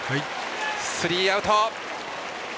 スリーアウト。